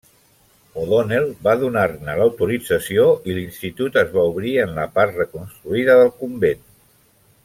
O'Donnell va donar-ne l'autorització i l'institut es va obrir en la part reconstruïda del convent.